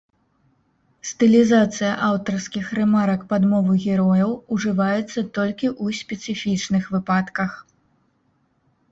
Стылізацыя аўтарскіх рэмарак пад мову герояў ужываецца толькі ў спецыфічных выпадках.